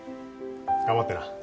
頑張ってな。